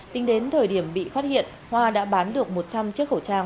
tính đến thời điểm bị phát hiện hoa đã bán được một trăm linh chiếc khẩu trang